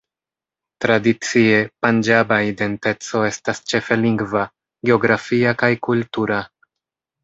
Tradicie, panĝaba identeco estas ĉefe lingva, geografia kaj kultura.